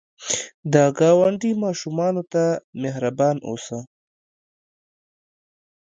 د ګاونډي ماشومانو ته مهربان اوسه